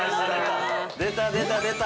◆出た出た出た。